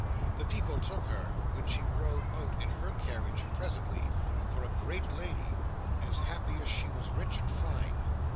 The people took her, when she rode out in her carriage presently, for a great lady, as happy as she was rich and fine.